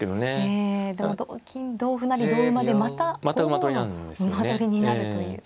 ええでも同金同歩成同馬でまた５五の馬取りになるという。